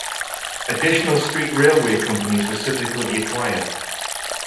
Additional street railway companies were subsequently acquired.